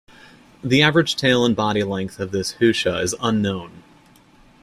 The average tail and body length of this hutia is unknown.